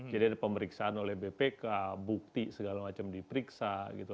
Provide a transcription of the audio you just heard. jadi ada pemeriksaan oleh bpk bukti segala macam diperiksa gitu